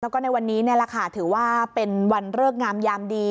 แล้วก็ในวันนี้นี่แหละค่ะถือว่าเป็นวันเลิกงามยามดี